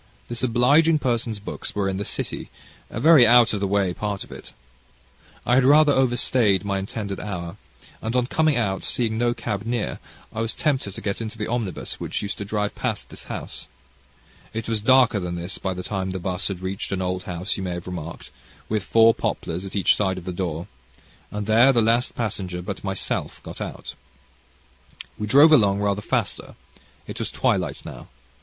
This obliging person's books were in the City, a very out of the way part of it. I had rather out stayed my intended hour, and, on coming out, seeing no cab near, I was tempted to get into the omnibus which used to drive past this house. It was darker than this by the time the 'bus had reached an old house, you may have remarked, with four poplars at each side of the door, and there the last passenger but myself got out. We drove along rather faster. It was twilight now.